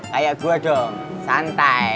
kayak gua dong santai